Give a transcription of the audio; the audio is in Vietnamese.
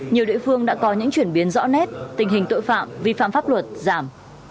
nhiều địa phương đã có những chuyển biến rõ nét tình hình tội phạm vi phạm pháp luật giảm